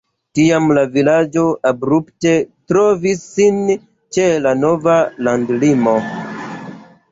Tiam la vilaĝo abrupte trovis sin ĉe la nova landlimo.